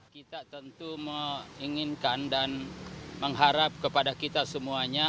kita tentu menginginkan dan mengharap kepada kita semuanya